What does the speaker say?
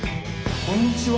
こんにちは。